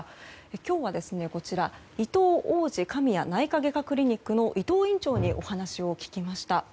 今日は、いとう王子神谷内科外科クリニックの伊藤院長にお話を聞きました。